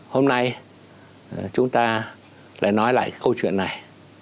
hôm nay chúng ta lại nói lại câu chuyện này